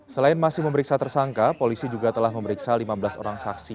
selain masih memeriksa tersangka polisi juga telah memeriksa lima belas orang saksi